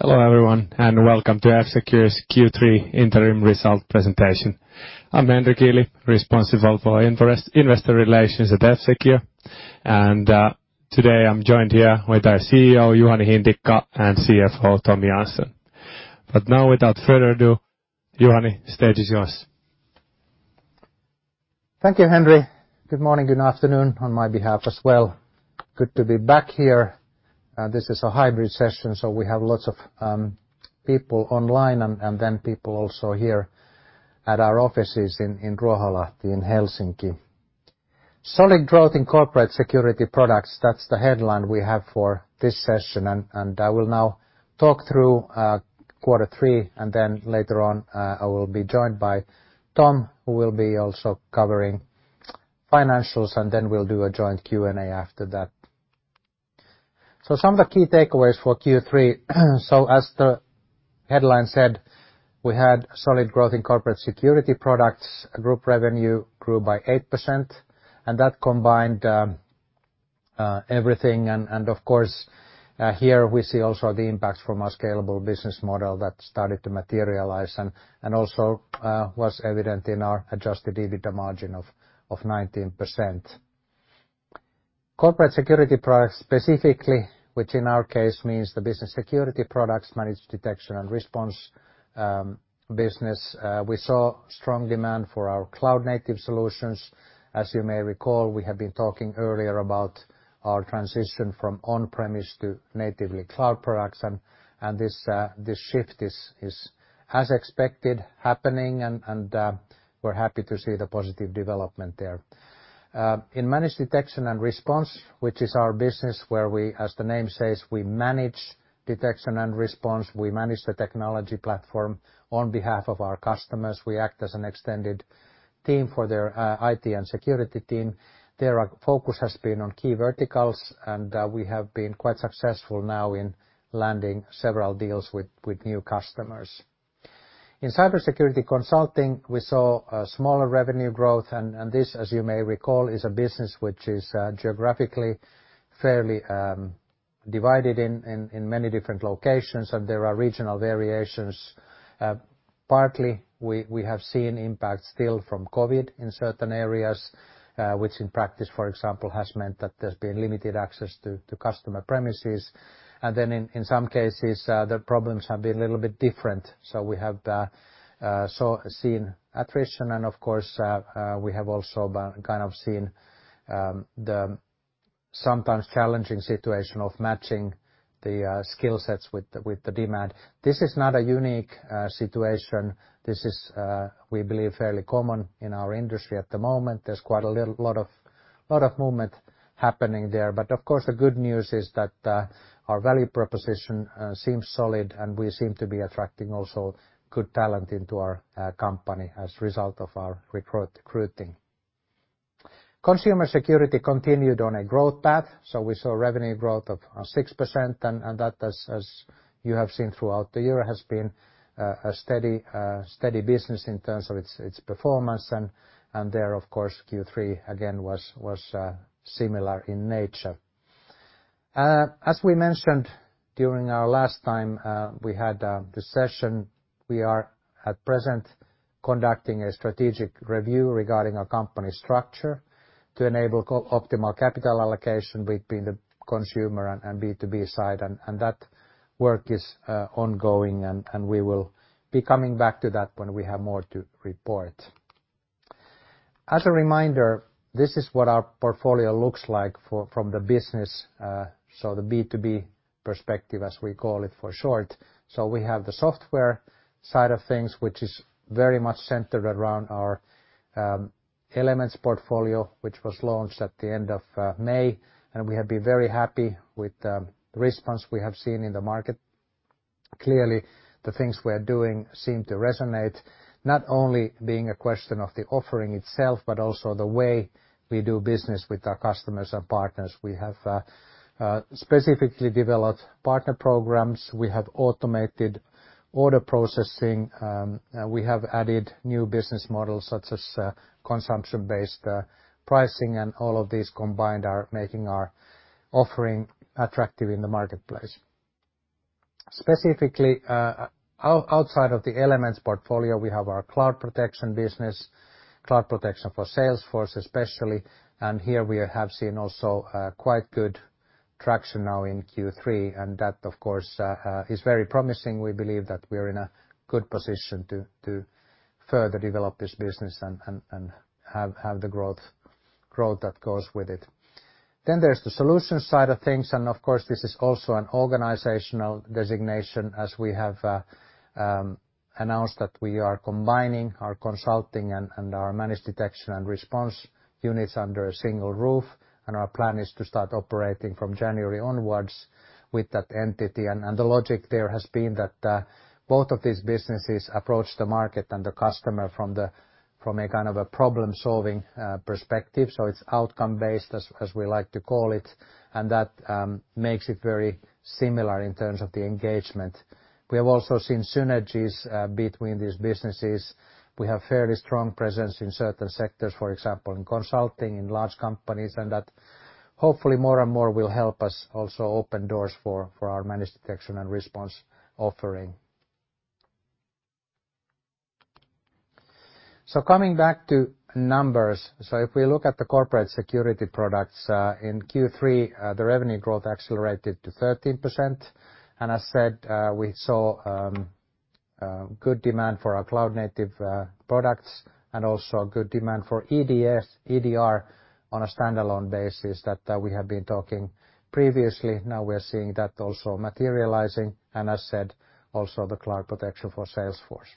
Hello, everyone, and welcome to F-Secure's Q3 interim result presentation. I'm Henri Kiili, responsible for investor relations at F-Secure. Today I'm joined here with our CEO, Juhani Hintikka, and CFO, Tom Jansson. Now without further ado, Juhani, stage is yours. Thank you, Henri. Good morning, good afternoon on my behalf as well. Good to be back here. This is a hybrid session. We have lots of people online and then people also here at our offices in Ruoholahti in Helsinki. Solid growth in corporate security products, that's the headline we have for this session. I will now talk through Q3, and then later on, I will be joined by Tom, who will be also covering financials, and then we'll do a joint Q&A after that. Some of the key takeaways for Q3. As the headline said, we had solid growth in corporate security products. Group revenue grew by 8%. That combined everything. Of course, here we see also the impacts from our scalable business model that started to materialize, and also was evident in our adjusted EBITDA margin of 19%. Corporate security products specifically, which in our case means the business security products, Managed Detection and Response business. We saw strong demand for our cloud-native solutions. As you may recall, we have been talking earlier about our transition from on-premise to natively cloud products, and this shift is as expected happening, and we're happy to see the positive development there. In Managed Detection and Response, which is our business where we, as the name says, we manage detection and response. We manage the technology platform on behalf of our customers. We act as an extended team for their IT and security team. Their focus has been on key verticals, and we have been quite successful now in landing several deals with new customers. In cybersecurity consulting, we saw a smaller revenue growth. This, as you may recall, is a business which is geographically fairly divided in many different locations, and there are regional variations. Partly, we have seen impacts still from COVID-19 in certain areas, which in practice, for example, has meant that there's been limited access to customer premises. In some cases, the problems have been a little bit different. We have seen attrition, and of course, we have also kind of seen the sometimes challenging situation of matching the skill sets with the demand. This is not a unique situation. This is, we believe, fairly common in our industry at the moment. There's quite a lot of movement happening there. Of course, the good news is that our value proposition seems solid, and we seem to be attracting also good talent into our company as a result of our recruiting. Consumer Security continued on a growth path, so we saw revenue growth of 6%, and that, as you have seen throughout the year, has been a steady business in terms of its performance. There, of course, Q3 again was similar in nature. As we mentioned during our last time we had the session, we are at present conducting a strategic review regarding our company structure to enable optimal capital allocation between the consumer and B2B side. That work is ongoing, and we will be coming back to that when we have more to report. As a reminder, this is what our portfolio looks like from the business, so the B2B perspective, as we call it for short. We have the software side of things, which is very much centered around our Elements portfolio, which was launched at the end of May. We have been very happy with the response we have seen in the market. Clearly, the things we are doing seem to resonate, not only being a question of the offering itself, but also the way we do business with our customers and partners. We have specifically developed partner programs. We have automated order processing. We have added new business models, such as consumption-based pricing, and all of these combined are making our offering attractive in the marketplace. Specifically, outside of the Elements portfolio, we have our cloud protection business, Cloud Protection for Salesforce especially, and here we have seen also quite good traction now in Q3. That, of course, is very promising. We believe that we are in a good position to further develop this business and have the growth that goes with it. There's the solutions side of things, and of course, this is also an organizational designation, as we have announced that we are combining our consulting and our Managed Detection and Response units under a single roof. Our plan is to start operating from January onwards with that entity. The logic there has been that both of these businesses approach the market and the customer from a kind of a problem-solving perspective. It's outcome-based, as we like to call it, and that makes it very similar in terms of the engagement. We have also seen synergies between these businesses. We have fairly strong presence in certain sectors, for example, in consulting in large companies. That hopefully more and more will help us also open doors for our Managed Detection and Response offering. Coming back to numbers. If we look at the corporate security products, in Q3, the revenue growth accelerated to 13%. As said, we saw good demand for our cloud-native products, also good demand for EDR on a standalone basis that we have been talking previously. Now we are seeing that also materializing. As said, also the Cloud Protection for Salesforce.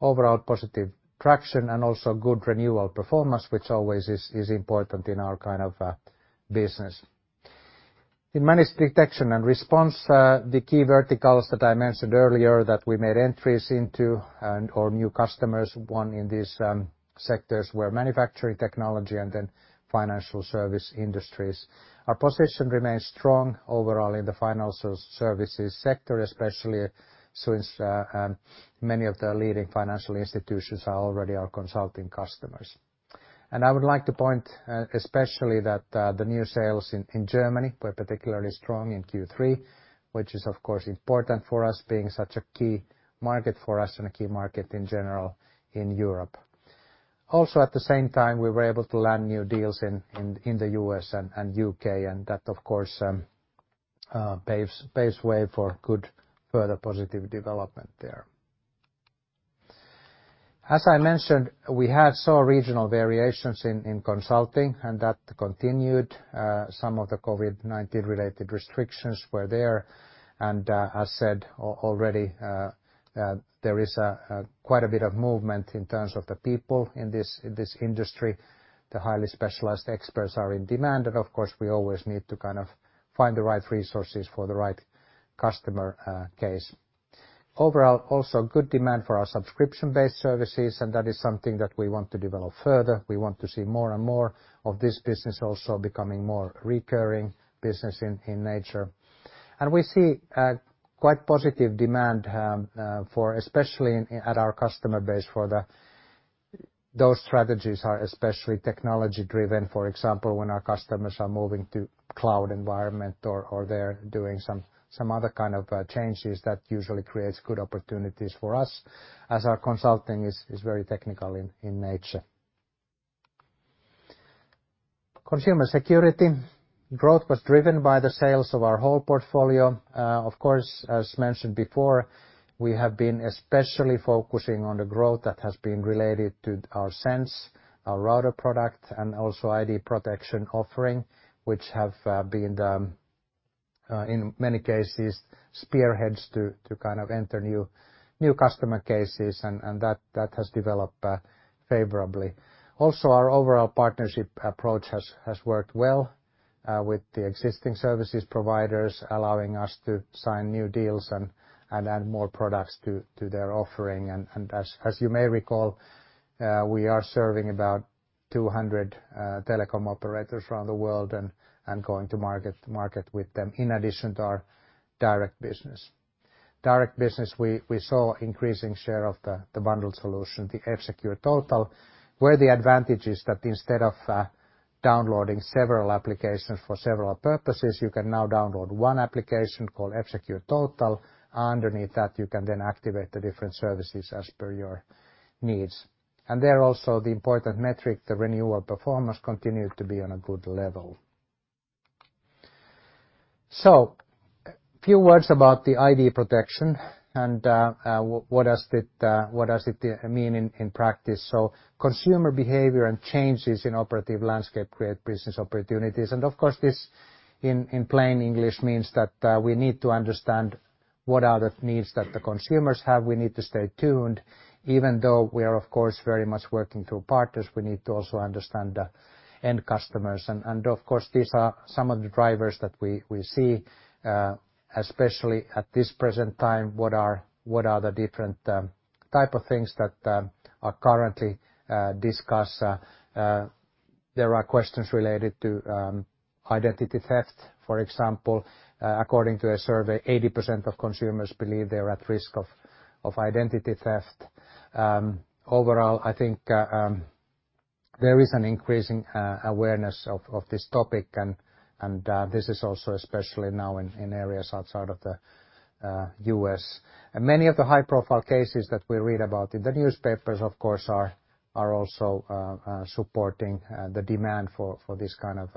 Overall positive traction, also good renewal performance, which always is important in our kind of business. In Managed Detection and Response, the key verticals that I mentioned earlier that we made entries into or new customers won in these sectors were manufacturing technology and financial service industries. Our position remains strong overall in the financial services sector, especially since many of the leading financial institutions are already our consulting customers. I would like to point especially that the new sales in Germany were particularly strong in Q3, which is of course important for us being such a key market for us and a key market in general in Europe. At the same time, we were able to land new deals in the U.S. and U.K., and that of course, paves way for good further positive development there. As I mentioned, we had saw regional variations in consulting and that continued. Some of the COVID-19 related restrictions were there, and as said already, there is quite a bit of movement in terms of the people in this industry. The highly specialized experts are in demand, and of course, we always need to kind of find the right resources for the right customer case. Overall, also good demand for our subscription-based services, and that is something that we want to develop further. We want to see more and more of this business also becoming more recurring business in nature. We see quite positive demand, especially at our customer base for those strategies are especially technology-driven. For example, when our customers are moving to cloud environment or they're doing some other kind of changes that usually creates good opportunities for us as our consulting is very technical in nature. Consumer security growth was driven by the sales of our whole portfolio. Of course, as mentioned before, we have been especially focusing on the growth that has been related to our Sense, our router product, and also ID Protection offering, which have been the, in many cases, spearheads to kind of enter new customer cases, and that has developed favorably. Also, our overall partnership approach has worked well with the existing services providers, allowing us to sign new deals and add more products to their offering. As you may recall, we are serving about 200 telecom operators around the world and going to market with them in addition to our direct business. Direct business, we saw increasing share of the bundled solution, the F-Secure TOTAL, where the advantage is that instead of downloading several applications for several purposes, you can now download one application called F-Secure TOTAL. Underneath that, you can then activate the different services as per your needs. There also the important metric, the renewal performance continued to be on a good level. A few words about the ID Protection and what does it mean in practice. Consumer behavior and changes in operative landscape create business opportunities. Of course, this in plain English means that we need to understand what are the needs that the consumers have. We need to stay tuned, even though we are, of course, very much working through partners. We need to also understand the end customers. Of course, these are some of the drivers that we see, especially at this present time, what are the different type of things that are currently discussed. There are questions related to identity theft. For example, according to a survey, 80% of consumers believe they are at risk of identity theft. Overall, I think there is an increasing awareness of this topic, and this is also especially now in areas outside of the U.S. Many of the high-profile cases that we read about in the newspapers, of course, are also supporting the demand for these kind of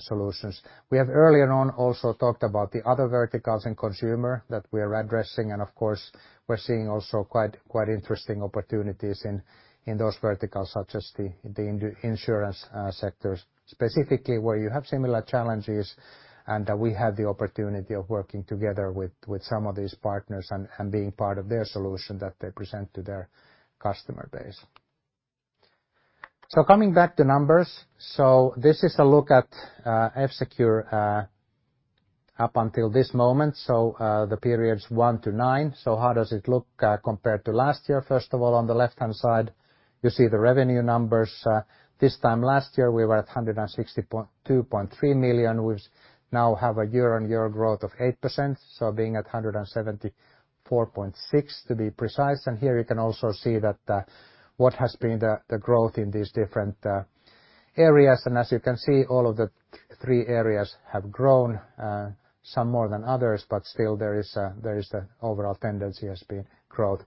solutions. We have earlier on also talked about the other verticals in consumer that we are addressing. Of course, we're seeing also quite interesting opportunities in those verticals, such as the insurance sectors specifically, where you have similar challenges, and we have the opportunity of working together with some of these partners and being part of their solution that they present to their customer base. Coming back to numbers. This is a look at F-Secure, up until this moment, so the periods one to nine. How does it look compared to last year? First of all, on the left-hand side, you see the revenue numbers. This time last year, we were at 162.3 million. We now have a year-on-year growth of 8%, being at 174.6 million to be precise. Here you can also see that what has been the growth in these different areas, as you can see, all of the three areas have grown, some more than others, still there is the overall tendency has been growth.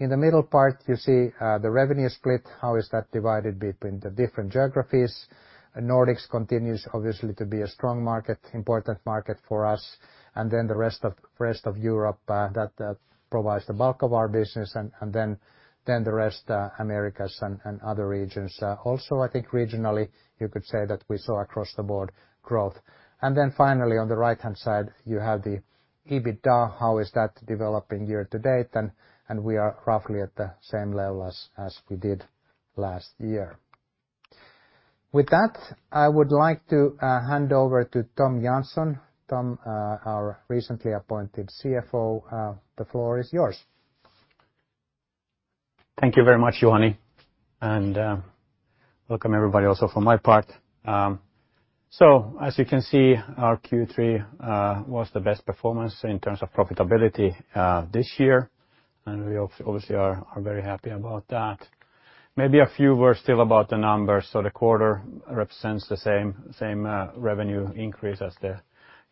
In the middle part, you see the revenue split, how is that divided between the different geographies. Nordics continues, obviously, to be a strong market, important market for us. The rest of Europe, that provides the bulk of our business, the rest, Americas and other regions. Also, I think regionally you could say that we saw across the board growth. Finally, on the right-hand side, you have the EBITDA, how is that developing year to date, and we are roughly at the same level as we did last year. With that, I would like to hand over to Tom Jansson. Tom, our recently appointed CFO, the floor is yours. Thank you very much, Juhani. Welcome, everybody, also from my part. As you can see, our Q3 was the best performance in terms of profitability this year, and we obviously are very happy about that. Maybe a few words still about the numbers. The quarter represents the same revenue increase as the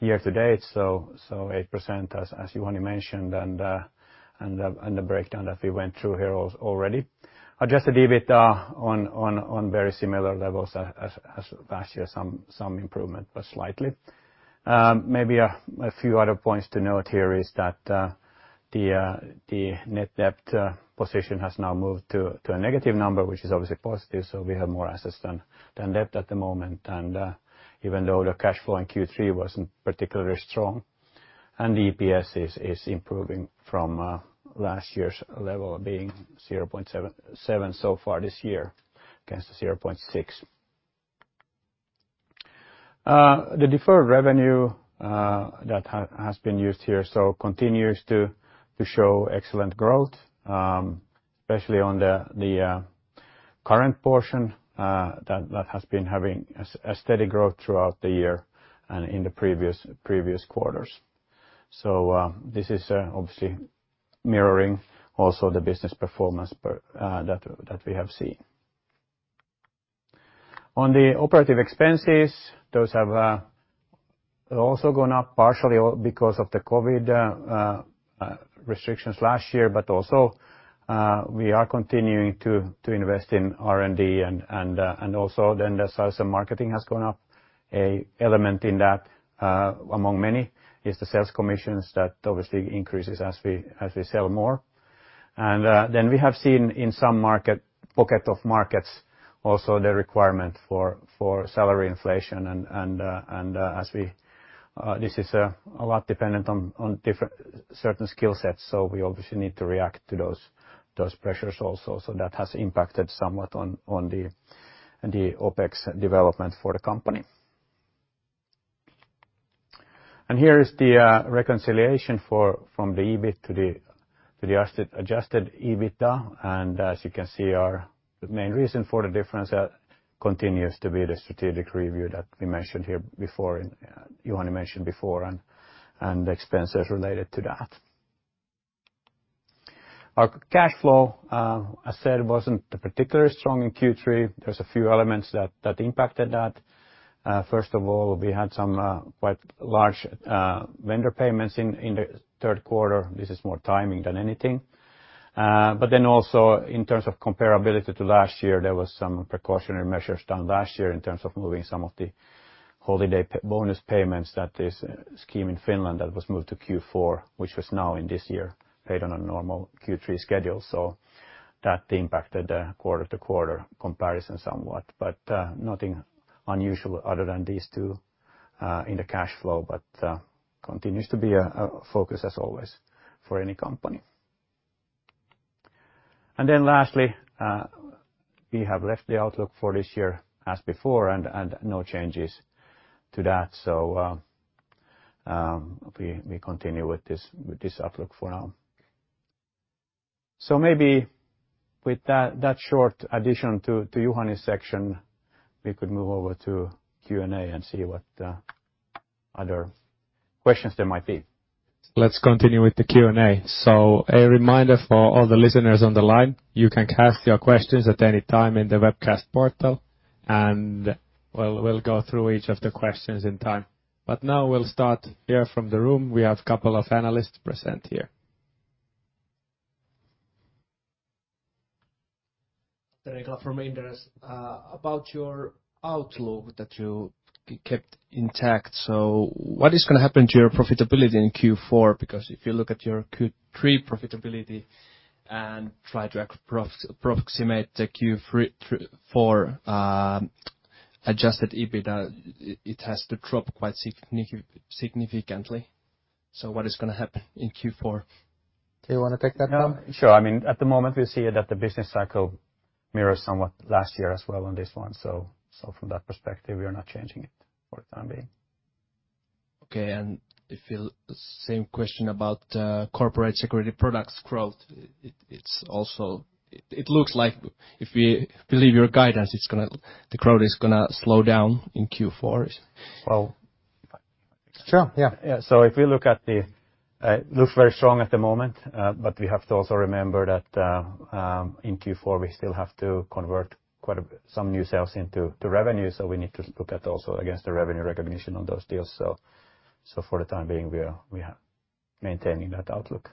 year to date, 8%, as Juhani mentioned, and the breakdown that we went through here already. Adjusted EBITDA on very similar levels as last year, some improvement, but slightly. Maybe a few other points to note here is that the net debt position has now moved to a negative number, which is obviously positive, so we have more assets than debt at the moment. Even though the cash flow in Q3 wasn't particularly strong, EPS is improving from last year's level of being 0.7 so far this year against the 0.6. The deferred revenue that has been used here continues to show excellent growth, especially on the current portion that has been having a steady growth throughout the year and in the previous quarters. This is obviously mirroring also the business performance that we have seen. On the operative expenses, those have also gone up, partially because of the COVID-19 restrictions last year, but also we are continuing to invest in R&D, and also then the sales and marketing has gone up. An element in that, among many, is the sales commissions that obviously increases as we sell more. We have seen in some pocket of markets also the requirement for salary inflation. This is a lot dependent on certain skill sets, so we obviously need to react to those pressures also. That has impacted somewhat on the OpEx development for the company. Here is the reconciliation from the EBIT to the adjusted EBITDA. As you can see, our main reason for the difference continues to be the strategic review that Juhani mentioned before and the expenses related to that. Our cash flow, as said, wasn't particularly strong in Q3. There's a few elements that impacted that. First of all, we had some quite large vendor payments in the third quarter. This is more timing than anything. Also in terms of comparability to last year, there was some precautionary measures done last year in terms of moving some of the holiday bonus payments, that is a scheme in Finland that was moved to Q4, which was now in this year paid on a normal Q3 schedule. That impacted the quarter-to-quarter comparison somewhat, but nothing unusual other than these two in the cash flow, but continues to be a focus as always for any company. Then lastly, we have left the outlook for this year as before, and no changes to that. We continue with this outlook for now. Maybe with that short addition to Juhani's section, we could move over to Q&A and see what other questions there might be. Let's continue with the Q&A. A reminder for all the listeners on the line, you can ask your questions at any time in the webcast portal, and we'll go through each of the questions in time. Now we'll start here from the room. We have couple of analysts present here. Tero Kuittinen from Inderes. About your outlook that you kept intact, what is going to happen to your profitability in Q4? If you look at your Q3 profitability and try to approximate the Q4 adjusted EBITDA, it has to drop quite significantly. What is going to happen in Q4? Do you want to take that, Tom? Sure. At the moment, we see that the business cycle mirrors somewhat last year as well on this one. From that perspective, we are not changing it for the time being. Okay. Same question about corporate security products growth. It looks like if we believe your guidance, the growth is going to slow down in Q4. Sure. Yeah. Yeah. It looks very strong at the moment, we have to also remember that, in Q4, we still have to convert some new sales into revenue. We need to look at also against the revenue recognition on those deals. For the time being, we are maintaining that outlook.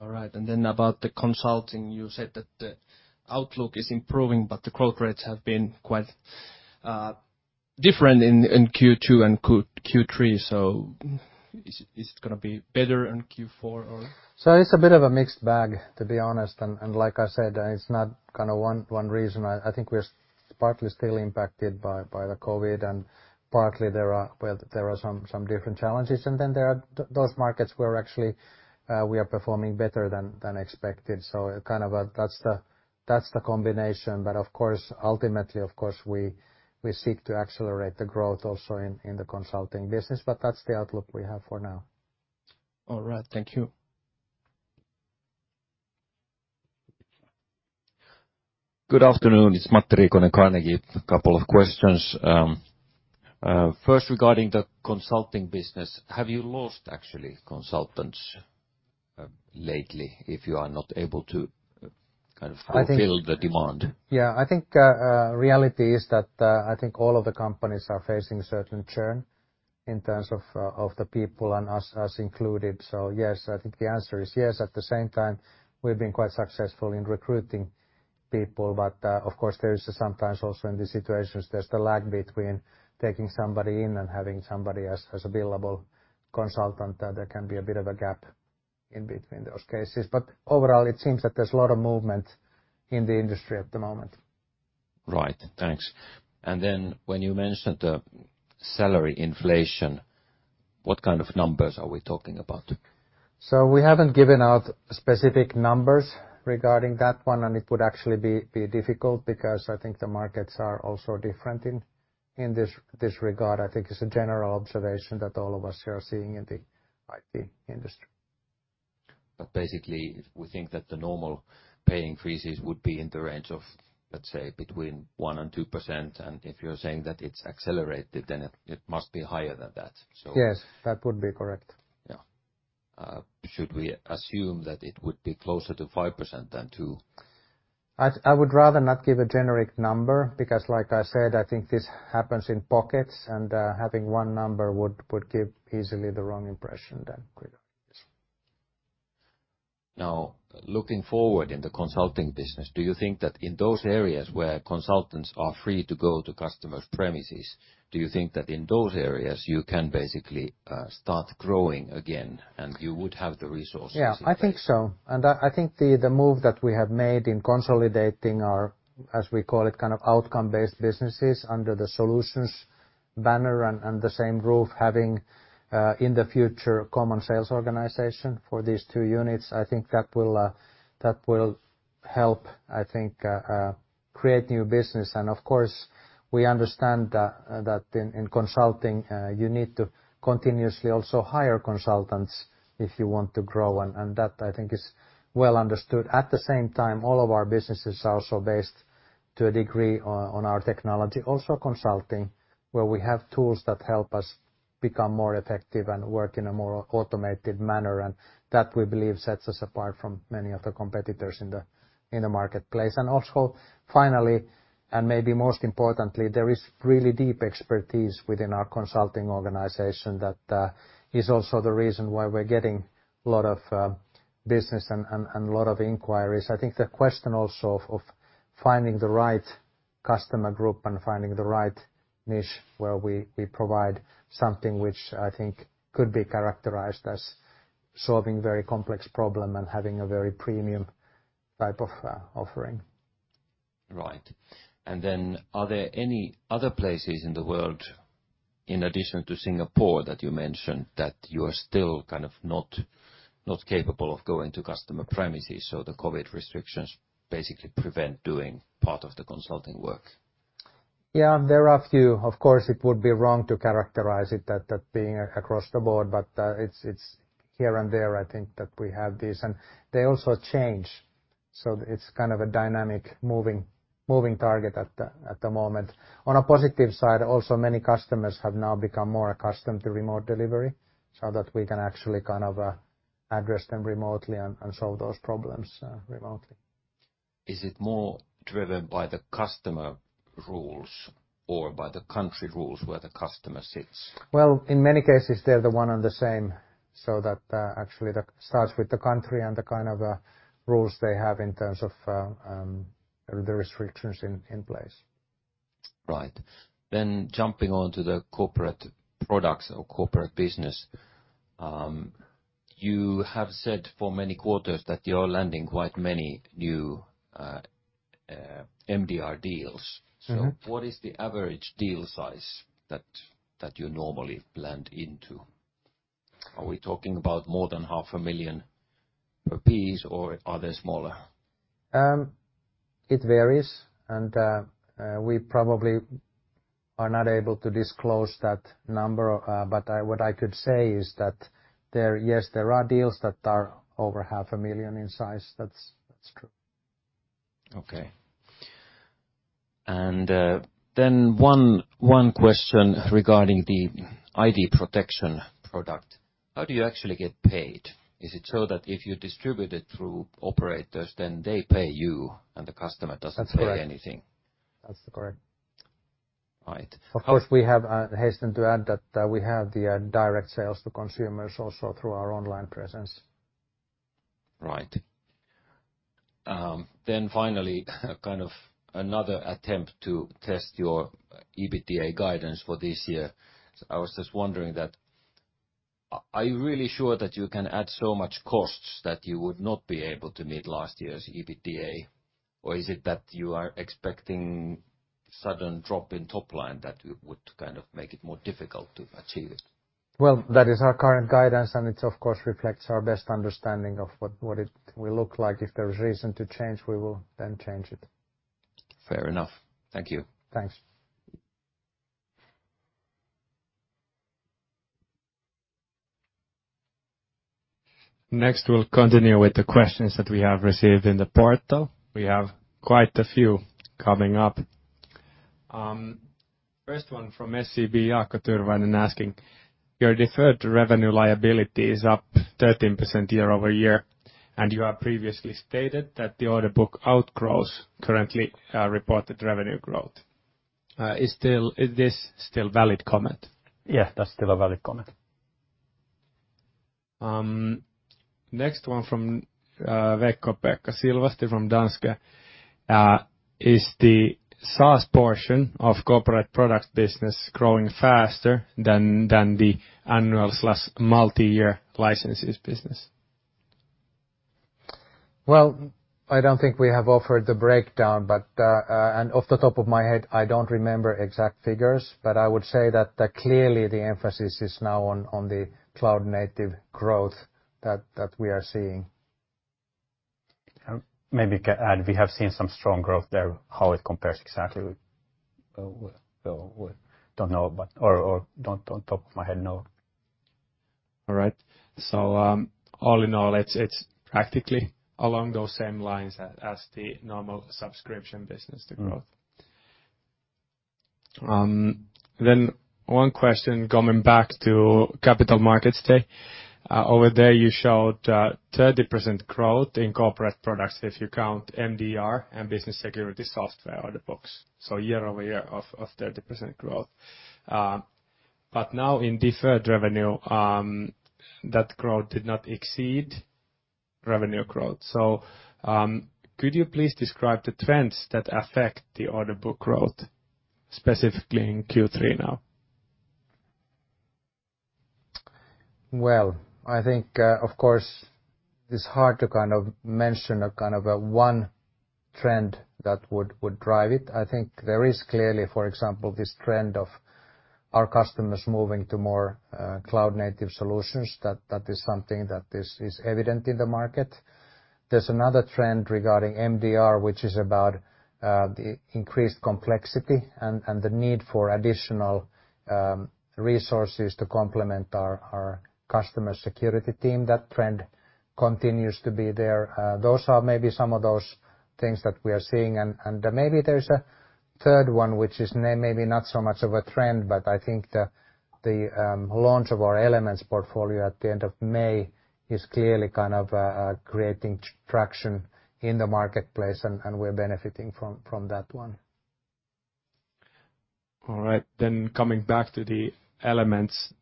All right. About the consulting, you said that the outlook is improving, but the growth rates have been quite different in Q2 and Q3. Is it going to be better in Q4, or? It's a bit of a mixed bag, to be honest. Like I said, it's not one reason. I think we are partly still impacted by the COVID-19, and partly there are some different challenges. There are those markets where actually we are performing better than expected. That's the combination. Of course, ultimately, we seek to accelerate the growth also in the consulting business. That's the outlook we have for now. All right. Thank you. Good afternoon. It's Matti Riikonen, Carnegie. A couple of questions. First, regarding the consulting business, have you lost actually consultants lately if you are not able to fulfill the demand? Yeah, I think reality is that I think all of the companies are facing certain churn in terms of the people and us included. Yes, I think the answer is yes. At the same time, we've been quite successful in recruiting people. Of course, there is sometimes also in these situations, there's the lag between taking somebody in and having somebody as a billable consultant. There can be a bit of a gap in between those cases. Overall, it seems that there's a lot of movement in the industry at the moment. Right. Thanks. When you mentioned the salary inflation, what kind of numbers are we talking about? We haven't given out specific numbers regarding that one, and it would actually be difficult because I think the markets are also different in this regard. I think it's a general observation that all of us here are seeing in the IT industry. Basically, we think that the normal pay increases would be in the range of, let's say, between 1% and 2%. If you're saying that it's accelerated, then it must be higher than that. Yes, that would be correct. Yeah. Should we assume that it would be closer to 5% than 2%? I would rather not give a generic number, because like I said, I think this happens in pockets, and having one number would give easily the wrong impression then, clearly. Yes. Looking forward in the consulting business, do you think that in those areas where consultants are free to go to customer premises, do you think that in those areas, you can basically start growing again and you would have the resources? Yeah, I think so. I think the move that we have made in consolidating our, as we call it, kind of outcome-based businesses under the solutions banner and the same roof, having, in the future, common sales organization for these two units, I think that will help, I think, create new business. Of course, we understand that in consulting, you need to continuously also hire consultants if you want to grow, and that I think is well understood. At the same time, all of our businesses are also based to a degree on our technology. Also consulting, where we have tools that help us become more effective and work in a more automated manner, and that we believe sets us apart from many of the competitors in the marketplace. Also finally, and maybe most importantly, there is really deep expertise within our consulting organization that is also the reason why we're getting a lot of business and a lot of inquiries. I think the question also of finding the right customer group and finding the right niche where we provide something which I think could be characterized as solving very complex problem and having a very premium type of offering. Right. Are there any other places in the world in addition to Singapore that you mentioned, that you are still kind of not capable of going to customer premises, so the COVID restrictions basically prevent doing part of the consulting work? Yeah, there are a few. Of course, it would be wrong to characterize it that being across the board, but it's here and there, I think, that we have these. They also change, so it's kind of a dynamic moving target at the moment. On a positive side, also many customers have now become more accustomed to remote delivery so that we can actually kind of address them remotely and solve those problems remotely. Is it more driven by the customer rules or by the country rules where the customer sits? Well, in many cases, they're the one and the same, so that actually starts with the country and the kind of rules they have in terms of the restrictions in place. Right. Jumping onto the corporate products or corporate business. You have said for many quarters that you're landing quite many new MDR deals. What is the average deal size that you normally land into? Are we talking about more than half a million EUR per piece, or are they smaller? It varies, and we probably are not able to disclose that number. What I could say is that, yes, there are deals that are over half a million in size, that's true. Okay. Then one question regarding the ID Protection product. How do you actually get paid? Is it so that if you distribute it through operators, then they pay you and the customer doesn't- That's correct. -pay anything? That's correct. Right. Of course, we have hasten to add that we have the direct sales to consumers also through our online presence. Right. Finally, kind of another attempt to test your EBITDA guidance for this year. I was just wondering that, are you really sure that you can add so much costs that you would not be able to meet last year's EBITDA? Or is it that you are expecting sudden drop in top line that would kind of make it more difficult to achieve it? That is our current guidance, and it, of course, reflects our best understanding of what it will look like. If there's reason to change, we will then change it. Fair enough. Thank you. Thanks. Next, we'll continue with the questions that we have received in the portal. We have quite a few coming up. First one from SEB, Jaakko Tyrväinen, asking, "Your deferred revenue liability is up 13% year-over-year, and you have previously stated that the order book outgrows currently reported revenue growth. Is this still valid comment? Yeah, that's still a valid comment. Next one from Veikkopekka Silvasti from Danske Bank. "Is the SaaS portion of corporate product business growing faster than the annual/multi-year licenses business? Well, I don't think we have offered the breakdown, but off the top of my head, I don't remember exact figures, but I would say that clearly the emphasis is now on the cloud-native growth that we are seeing. Maybe I can add, we have seen some strong growth there, how it compares exactly, we don't know, or not on top of my head, know. All right. All in all, it's practically along those same lines as the normal subscription business to growth. One question coming back to Capital Markets Day. Over there, you showed 30% growth in corporate products if you count MDR and business security software order books. Year-over-year of 30% growth. Now in deferred revenue, that growth did not exceed revenue growth. Could you please describe the trends that affect the order book growth, specifically in Q3 now? Well, I think, of course, it is hard to kind of mention one trend that would drive it. I think there is clearly, for example, this trend of our customers moving to more cloud-native solutions. That is something that is evident in the market. There is another trend regarding MDR, which is about the increased complexity and the need for additional resources to complement our customer security team. That trend continues to be there. Those are maybe some of those things that we are seeing. Maybe there is a third one, which is maybe not so much of a trend, but I think the launch of our Elements portfolio at the end of May is clearly creating traction in the marketplace, and we are benefiting from that one. All right. Coming back to the Elements.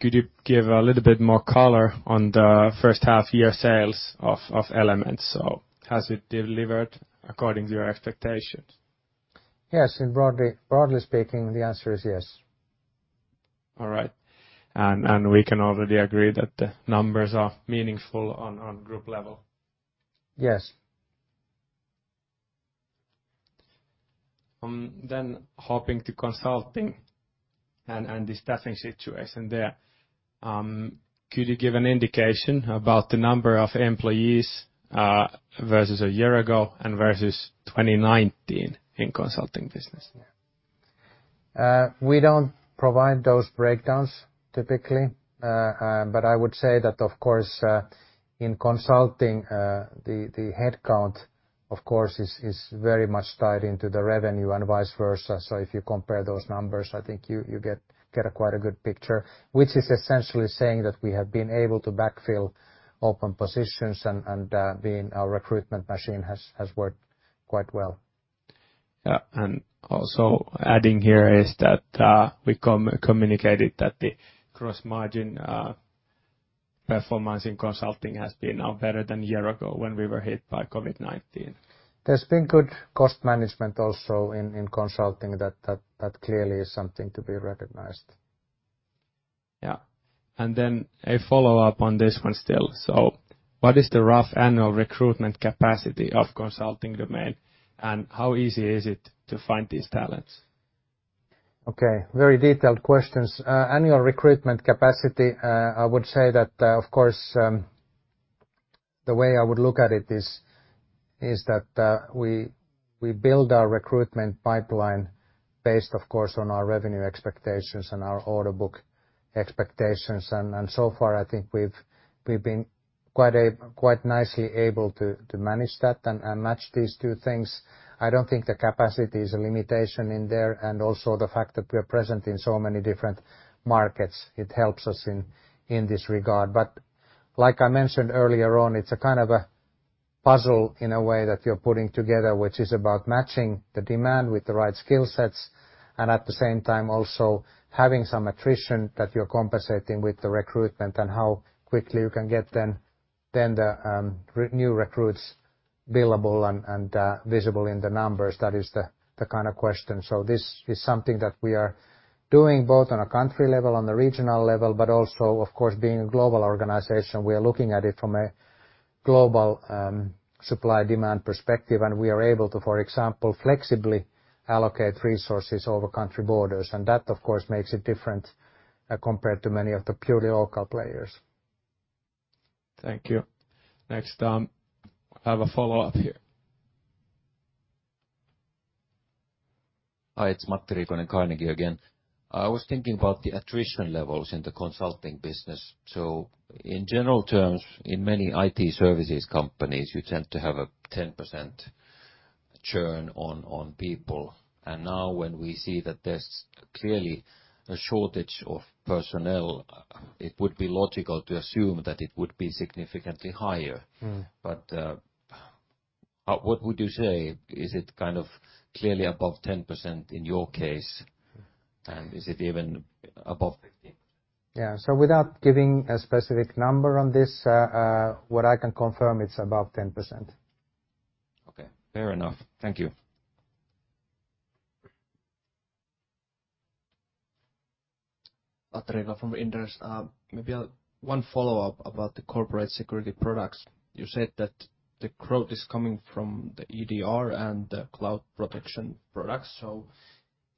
Could you give a little bit more color on the first half-year sales of Elements? Has it delivered according to your expectations? Yes. Broadly speaking, the answer is yes. All right. We can already agree that the numbers are meaningful on group level. Yes. Hopping to Consulting and the staffing situation there. Could you give an indication about the number of employees versus a year ago and versus 2019 in Consulting business? We don't provide those breakdowns typically. I would say that, of course, in consulting, the headcount, of course, is very much tied into the revenue and vice versa. If you compare those numbers, I think you get a quite a good picture, which is essentially saying that we have been able to backfill open positions and our recruitment machine has worked quite well. Yeah. Also adding here is that we communicated that the gross margin performance in Consulting has been now better than a year ago when we were hit by COVID-19. There's been good cost management also in Consulting. That clearly is something to be recognized. Yeah. A follow-up on this one still. What is the rough annual recruitment capacity of Consulting domain, and how easy is it to find these talents? Okay, very detailed questions. Annual recruitment capacity, I would say that, of course, the way I would look at it is that we build our recruitment pipeline based, of course, on our revenue expectations and our order book expectations. So far, I think we've been quite nicely able to manage that and match these two things. I don't think the capacity is a limitation in there. Also the fact that we are present in so many different markets, it helps us in this regard. Like I mentioned earlier on, it's a kind of a puzzle in a way that you're putting together, which is about matching the demand with the right skill sets, and at the same time also having some attrition that you're compensating with the recruitment and how quickly you can get then the new recruits billable and visible in the numbers. That is the kind of question. This is something that we are doing both on a country level, on the regional level, but also of course, being a global organization, we are looking at it from a global supply-demand perspective, and we are able to, for example, flexibly allocate resources over country borders. That, of course, makes it different compared to many of the purely local players. Thank you. Next, I have a follow-up here. Hi, it's Matti Riikonen, Carnegie again. I was thinking about the attrition levels in the consulting business. In general terms, in many IT services companies, you tend to have a 10% churn on people. Now when we see that there's clearly a shortage of personnel, it would be logical to assume that it would be significantly higher. What would you say? Is it kind of clearly above 10% in your case? Is it even above 15%? Yeah. Without giving a specific number on this, what I can confirm, it's above 10%. Okay, fair enough. Thank you. Tero Kuittinen from Inderes. Maybe one follow-up about the corporate security products. You said that the growth is coming from the EDR and the cloud protection products.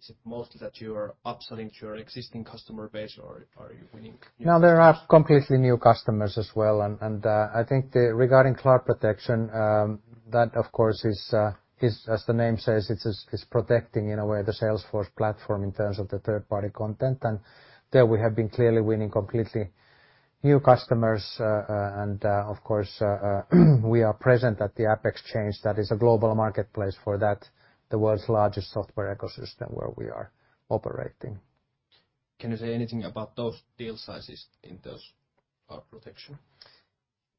Is it mostly that you are upselling to your existing customer base, or are you winning new customers? No, they're completely new customers as well. I think regarding Cloud Protection, that of course is, as the name says, it's protecting in a way the Salesforce platform in terms of the third-party content. There we have been clearly winning completely new customers. Of course, we are present at the AppExchange, that is a global marketplace for that, the world's largest software ecosystem where we are operating. Can you say anything about those deal sizes in those Cloud Protection?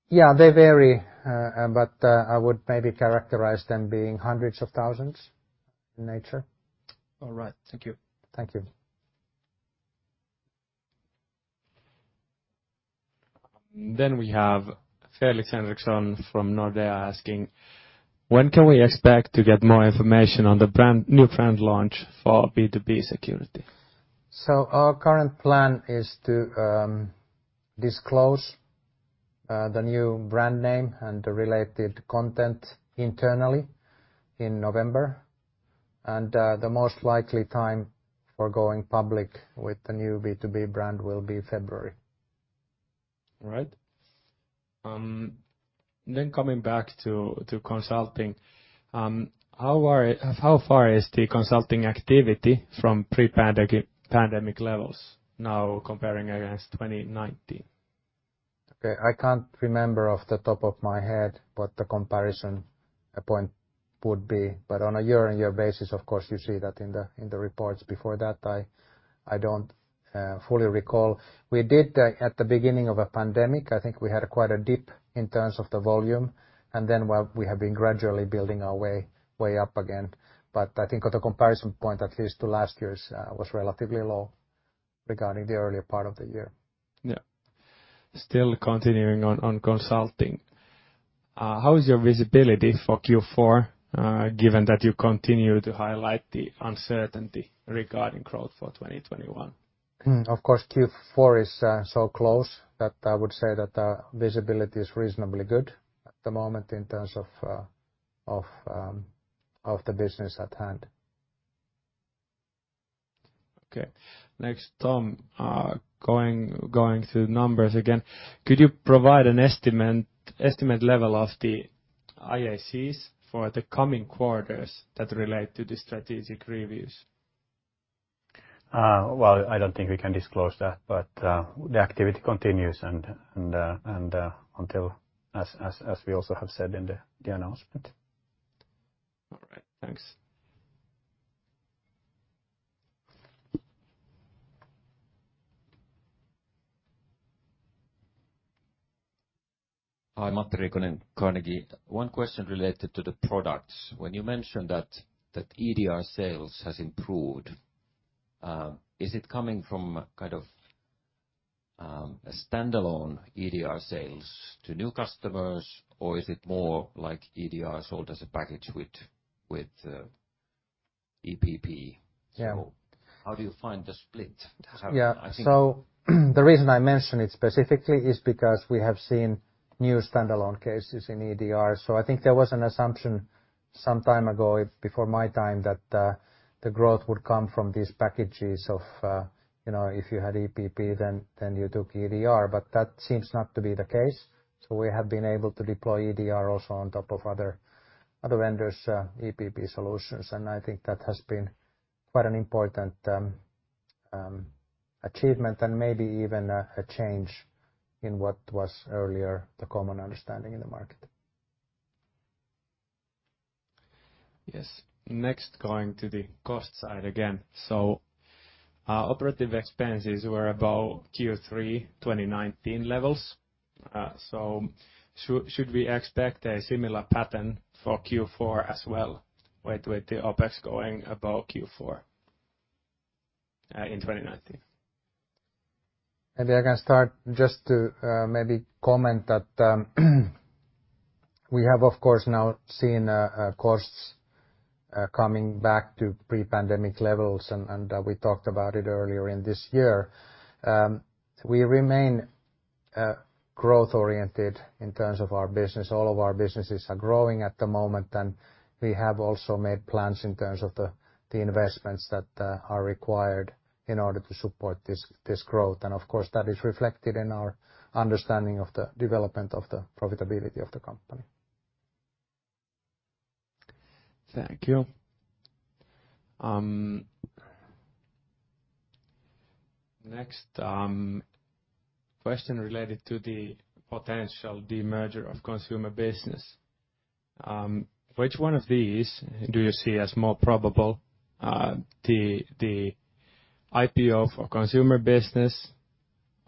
Yeah, they vary. I would maybe characterize them being hundreds of thousands in nature. All right. Thank you. Thank you. We have Felix Henriksson from Nordea asking, when can we expect to get more information on the new brand launch for B2B security? Our current plan is to disclose the new brand name and the related content internally in November. The most likely time for going public with the new B2B brand will be February. All right. Coming back to consulting, how far is the consulting activity from pre-pandemic levels now comparing against 2019? Okay. I can't remember off the top of my head what the comparison point would be, but on a year-on-year basis, of course, you see that in the reports. Before that, I don't fully recall. We did at the beginning of a pandemic, I think we had quite a dip in terms of the volume. While we have been gradually building our way up again. I think the comparison point, at least to last year's, was relatively low regarding the earlier part of the year. Yeah. Still continuing on consulting. How is your visibility for Q4, given that you continue to highlight the uncertainty regarding growth for 2021? Of course, Q4 is so close that I would say that visibility is reasonably good at the moment in terms of the business at hand. Okay. Next, Tom, going through numbers again. Could you provide an estimate level of the IACs for the coming quarters that relate to the strategic reviews? Well, I don't think we can disclose that. The activity continues as we also have said in the announcement. All right. Thanks. Hi, Matti Riikonen, Carnegie. One question related to the products. When you mentioned that EDR sales has improved, is it coming from kind of a standalone EDR sales to new customers, or is it more like EDR sold as a package with EPP? Yeah. How do you find the split? The reason I mention it specifically is because we have seen new standalone cases in EDR. I think there was an assumption some time ago, before my time, that the growth would come from these packages of if you had EPP, then you took EDR, that seems not to be the case. We have been able to deploy EDR also on top of other vendors' EPP solutions. I think that has been quite an important achievement and maybe even a change in what was earlier the common understanding in the market. Yes. Next, going to the cost side again. Operative expenses were above Q3 2019 levels. Should we expect a similar pattern for Q4 as well, with the OpEx going above Q4 in 2019? Maybe I can start just to maybe comment that we have, of course, now seen costs coming back to pre-pandemic levels, and we talked about it earlier in this year. We remain growth-oriented in terms of our business. All of our businesses are growing at the moment, and we have also made plans in terms of the investments that are required in order to support this growth. Of course, that is reflected in our understanding of the development of the profitability of the company. Thank you. Next, question related to the potential de-merger of consumer business. Which one of these do you see as more probable, the IPO for consumer business,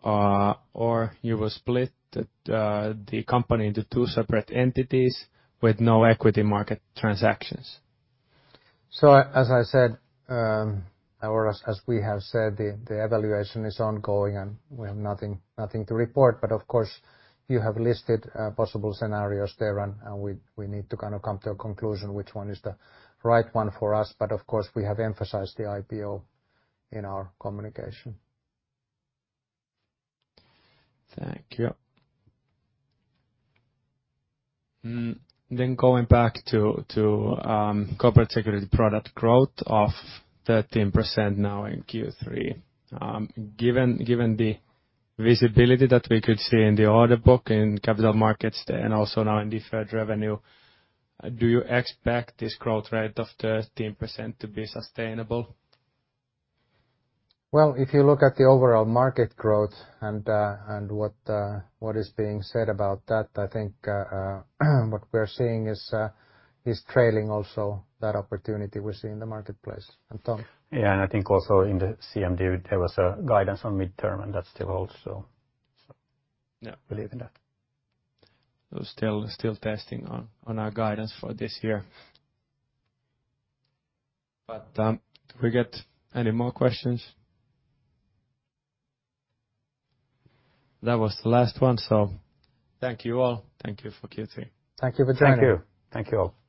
or you will split the company into two separate entities with no equity market transactions? As I said, or as we have said, the evaluation is ongoing, and we have nothing to report. Of course, you have listed possible scenarios there, and we need to come to a conclusion which one is the right one for us. Of course, we have emphasized the IPO in our communication. Thank you. Going back to Corporate Security product growth of 13% now in Q3. Given the visibility that we could see in the order book in capital markets and also now in deferred revenue, do you expect this growth rate of 13% to be sustainable? Well, if you look at the overall market growth and what is being said about that, I think what we're seeing is trailing also that opportunity we see in the marketplace. Tom? Yeah, I think also in the CMD, there was a guidance on midterm, and that still holds believe in that. Still testing on our guidance for this year. Do we get any more questions? That was the last one. Thank you all. Thank you for Q3. Thank you for joining. Thank you. Thank you all.